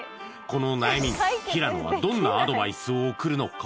この悩みに平野はどんなアドバイスを送るのか？